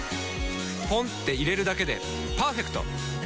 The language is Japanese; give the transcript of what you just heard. ポンって入れるだけでパーフェクト！